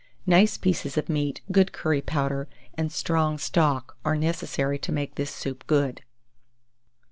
Nice pieces of meat, good curry powder, and strong stock, are necessary to make this soup good.